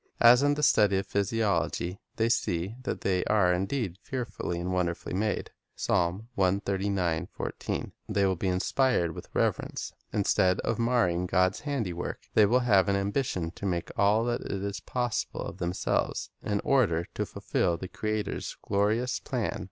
As in the study of physiology they see that they are indeed "fearfully and wonderfully made," 2 they will be inspired with reverence. Instead of marring God's handiwork, they will have an ambition to make all that is possible of themselves, in order to fulfil the Creator's glorious plan.